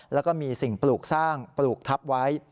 แล้วก็มีสิ่งปลูกสร้างปลูกทับไว้